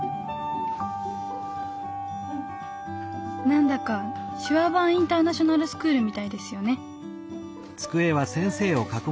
何だか手話版インターナショナルスクールみたいですよね。